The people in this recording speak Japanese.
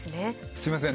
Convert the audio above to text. すみません。